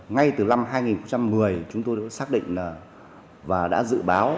ngay từ năm hai nghìn một mươi chúng tôi đã xác định là và đã dự báo